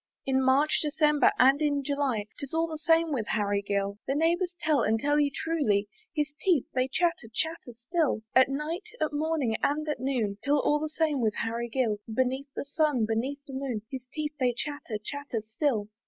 In March, December, and in July, "Tis all the same with Harry Gill; The neighbours tell, and tell you truly, His teeth they chatter, chatter still. At night, at morning, and at noon, 'Tis all the same with Harry Gill; Beneath the sun, beneath the moon, His teeth they chatter, chatter still.